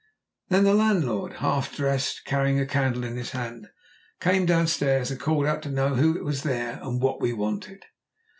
Then the landlord, half dressed, carrying a candle in his hand, came downstairs and called out to know who was there and what we wanted.